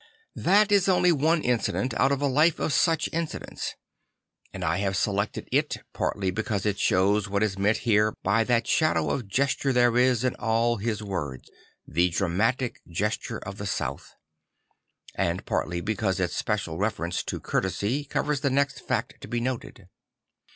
That is only one incident out of a life of such incidents; and I have selected it partly because it shows what is meant here by that shadow of gesture there is in all his words, the dramatic gesture of the south; and partly because its special reference to courtesy covers the next fact to be noted.